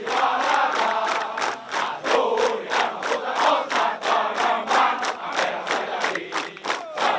mars dharma putra maju jalan